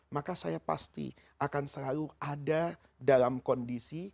maka saya pasti akan selalu ada dalam kondisi